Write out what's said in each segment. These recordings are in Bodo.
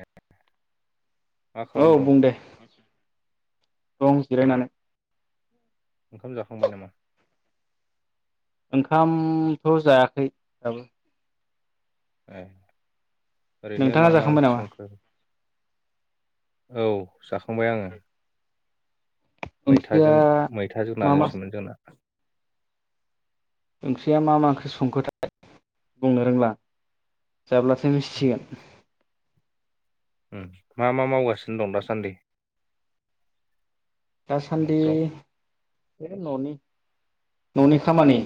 ए मा औ खालामदों बुं दे दं जिरायनानै खाम जाखांबाय नामा? ओंखामथ जायाखै दाबो। ए ओरैनो नोंथाङा मा मा जाखांबाय ओंख्रि नामा संखो? औ जाखांबाय आङो। ओंख्रिया मैथाजों मैथाजों मा मा नाजोंसोमोन जोंना ओंख्रिया मा मा ओंख्रि संखोथाय बुंनो रोंला जाब्लासो मिथिसिगोन मा मा मावगासिनो दं दासान्दि दासान्दि न'फ्राव बे ननि ननि खामानि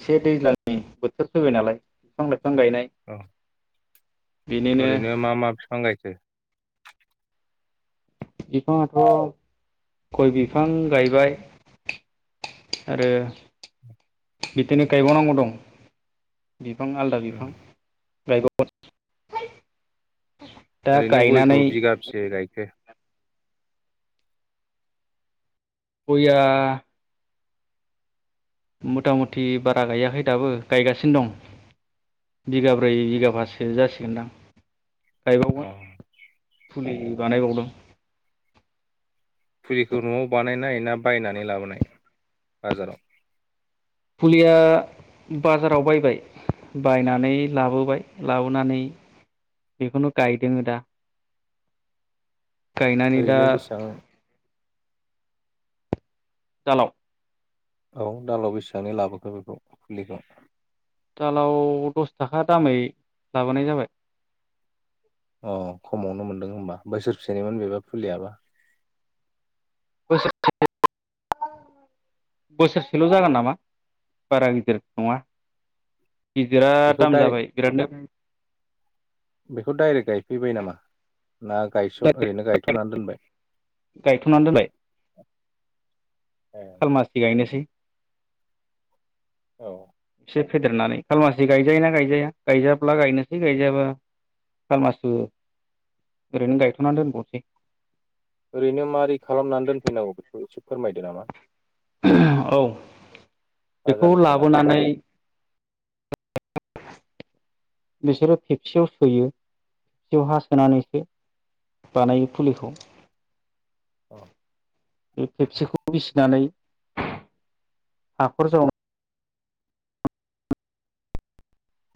एसे दैज्लांनि बोथोर फैबाय नालाय बिफां लाइफां बिफां गायनाय औ बेनिनो ओरैनो मा मा बिफां गायख [unintelligible] बिफाङाथ गय बिफां गायबाय आरो बिदिनो गायबावनांगौ दं बिफां आलदा उम बिफां [unintelligible] दा ओरैनो गयखौ गायनानै बिगाबसे गायखो गया मथा मथि बारा गायाखै दाबो गायगासिनो दं बिगाब्रै बिगााबासो जासिगोनदां अ गायबावगोन फुलि बानायबावदों फुलिखौ नआव बानायनाय ना बायनानै लाबोनाय बाजाराव? फुलिया बाजाराव बायबाय बायनानै लाबोबाय लाबोनानै बेखौनो गायदों दा गायनानै दा ओरैनो बेसेबां दालाव औ दालाव बेसेबां लाबोखो बेखौ फुलिखौ दालाव दस थाखा दामै लाबोनाय जाबाय। अ खमावनो मोनदों होमबा बोसोरसेनिमोन बेबा फुलियाबा से बोसोरसेल जागोन नामा बारा गिदिर नङा। गिदिरा बेखौ दाम दाय जाबाय बिरादनो बेखौ डाइरेक्ट गायफैबाय नामा ना गायसन ओरैनो गायथनानै दोनबाय गायथ'नानै दोनबाय ए खालमासि गायनोसै औ एसे फेदेरनानै खालमासि गायजायो‌ ना गायजाया गायजाब्ला गायनोसै गायजायाबा खालमासि ओरैनो गायथनानै दोनबावनोसै। ओरैनो माबोरै खालामनानै दोनफैनांगौ बेखौ फोरमायदो नामा? औ बेखौ लाबोनानै बिसोरो खेबसेयाव सोयो खेबसेयाव हा सोनानैसो बानायो फुलिखौ। औ बे खेबसेखौ फिसिनानै हाखर जावना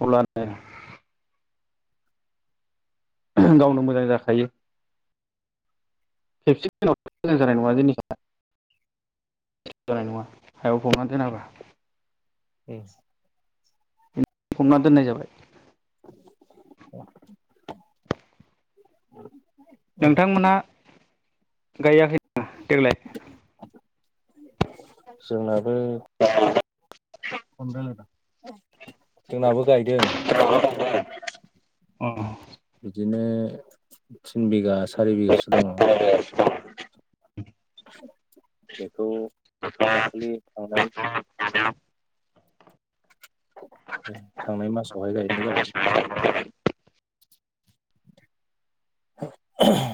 अलानो गावनो मोजां जाखायो खेबसे दिनाव मोजां जानाय नङा जिनिसा जानाय नङा हायाव फबना दोनाबा उम फबना दोननाय जाबाय। [inaudible] औ नोंथांमोना गायाखै देग्लाय जोंना [unintelligible] [unintelligible] जोंनाबो गायदों। अ बिदिनो थिन बिघा सारि बिघासो दं। [unintelligible] बेखौ दाखलि थांनाय थांनाय मासावहाय गायनाय जाबाय।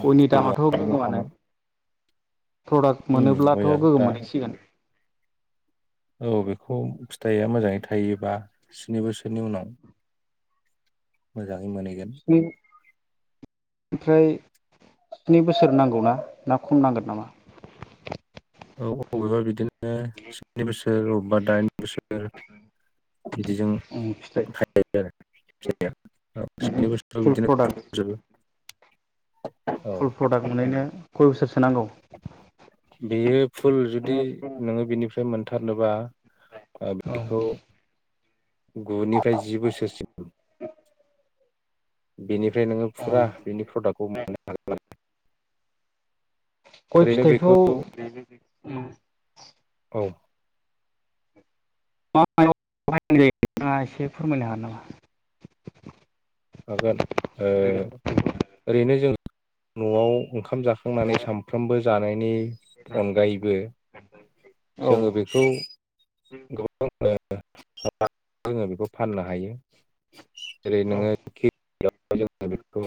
गयनि फुलिया दामाथ [unintelligible] बायनोखामोन प्रडाक्ट मोनोब्लाथ गया दा गोगगोम मोनहैसिगोन। औ बेखौ फिथाइया मोजाङै थायोबा स्नि बोसोरनि उनाव मोजां मोनहैगोन। स्नि ओमफ्राय स्नि बोसोर नांगौ ना, ना खम नांगोन नामा? औ अबेबा बिदिनो। [unintelligible] अबा दाइन बोसोर बिदिजों उम फिथाइ थायो [unintelligible] बोसोराव फुल बिदिनो प्रडाक्ट खजोबो। फुल प्रडाक्ट मोननायनो खय बोसोरसो नांगौ बेयो फुल जुदि नोङो बिनिफ्राय मोन थारनोबा ओ औ बेखौ गुनिफ्राय जि बोसोरसिम बेनि ओमफ्राय नोङो फुरा गय बिनि प्रडाक्टखौ मोननो हागोन आरो। गय ओरैनो बेखौ फिथाइखौ उम औ। मा मायाव बाहायनाय जायों बिथाङा एसे फोरमायनो हागोन नामा? हागोन ओ ओरैनो जों नआव ओंखाम जाखांनानै सानफ्रोमबो जानायनि नामा? अनगायैबो जोङो औ बेखौ गोबां [unintelligible] जोङो बेखौ फाननो हायो। जेरै नोङो [unintelligible] जों बेखौ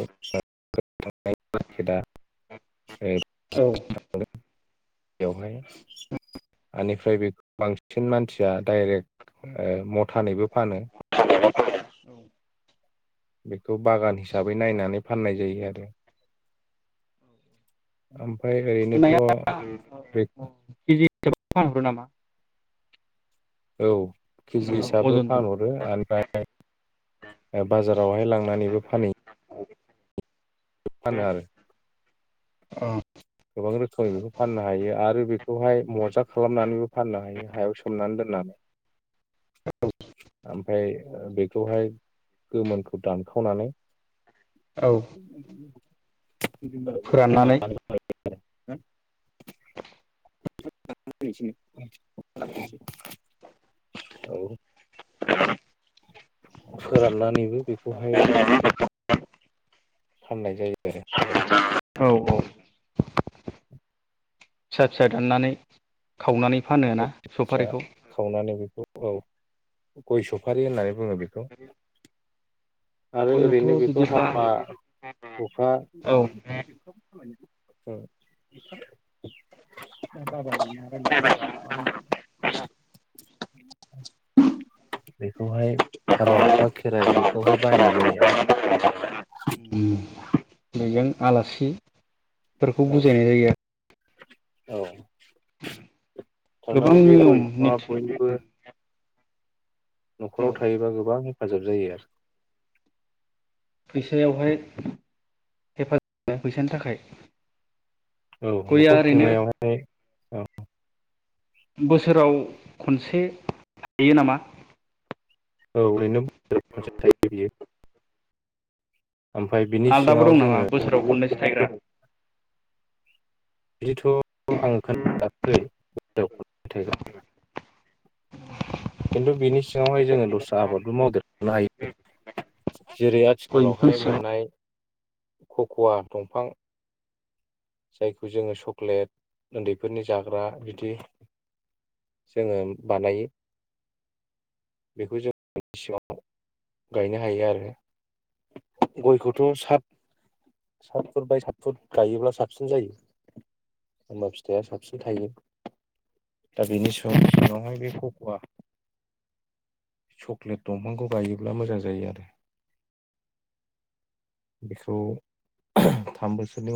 [unintelligible] बेवहाय औ बेनिफ्राय बे बांसिन मानसिया डाइरेक्ट मथानैबो फानो। [unintelligible] औ बि बागान हिसाबै नायनानै फाननाय जायो आरो। ओमफ्राय ओरैनोथ' बे [unintelligible] [unintelligible] हरो नामा? औ। केजि हिसाबबो अजनजों? फानहरो ओमफाय बाजारावहाय लांनानैबो फानहैयो फानो उम आरो औ गोबां रोखोमै बेखौ फाननो हायो आरो बेखौहाय मजा खालामनानैबो फाननो हायो हायाव सोमनानै दोननानै औ ओमफाय बेखौहाय गोमोनखौ दानखावनानै [inaudible] औ [unintelligible] फोराननानै [unintelligible] औ [inaudible] फोराननानैबो बेखौहाय फाननाय जायो आरो हा अ अ‌। फिसा फिसा दाननानै खावनानै फानो औ ना फिसा सफारिखौ? खावनानै बेखौ औ। गय सफारि होननानै बुङो बेखौ। आरो गयाथ' ओरैनो बेखौ बिदिब्ला हाबा हुखा [inaudible] [inaudible] औ बेखौहाय हाबा हुखा खेराय बे [unintelligible] बाहायनाय जायो आरो फोरखौ औ बुजायनाय जायो आरो औ। गोबां थारमाने बे गय नियम बिफाङा निटि बयनिबो नखराव थायोबा गोबां हेफाजाब जायो आरो फैसायावहाय हेफाजाब फैसानि थाखाय औ गया नखर ओरैनो खुंनायावहाय औ बोसोराव खनसे थायो नामा? औ ओरैनो बोसोरा खनसे थायो बियो। ओमफ्राय बिनि आलदाबो सिङाव दं नामा जोङो बोसोराव खननैसो थाइग्रा? बिदिथ आं खोनायाखै [unintelligible] खिन्थु बिनि सिङावहाय जोङो दस्रा आबादबो मावदेरनो हायो जेरै गय बिफां आथिखालावहाय सिं मोननाय ख खवा दंफां जायखौ जोङो चक्लेट उन्दैफोरनि जाग्रा बिदि जोङो बानायो बेखौ जों सिङाव गायनो हायो आरो गयखौथ सात फुट बाय सात फुट गायोब्ला साब साबसिन जायो हमबा फिथाइया साबसिन थायो दा बेनि सम सिङावहाय बे ककवा चक्लेट दंफांखौ गायोब्ला मोजां जायो आरो बेखौ उ थाम बोसोरनि उ